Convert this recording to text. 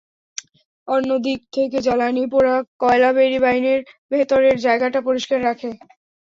অন্য দিক থেকে জ্বালানি পোড়া কয়লা বেরিয়ে বাইনের ভেতরের জায়গাটা পরিষ্কার রাখে।